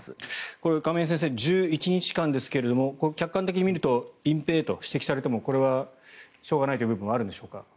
これ、亀井先生１１日間ですけれども客観的に見ると隠ぺいと指摘されてもこれはしょうがないという部分はあるんでしょうか。